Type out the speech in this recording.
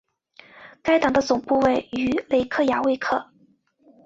该党的总部位于雷克雅未克。